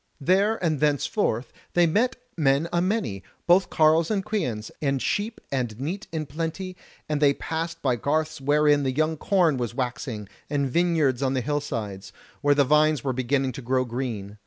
There and thenceforth they met men a many, both carles and queans, and sheep and neat in plenty, and they passed by garths wherein the young corn was waxing, and vineyards on the hillsides, where the vines were beginning to grow green.